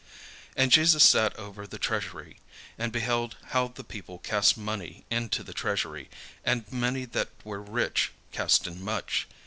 And Jesus sat over against the treasury, and beheld how the people cast money into the treasury: and many that were rich cast in much.